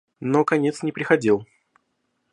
Но конец не приходил.